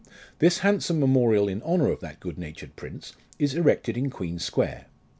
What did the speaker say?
This handsome memorial in honour of that good natured prince is erected in Queen Square.